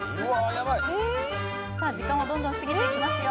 ヤバい時間はどんどんすぎていきますよ